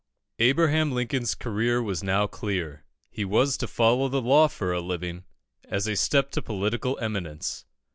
Abraham Lincoln's career was now clear. He was to follow the law for a living, as a step to political eminence.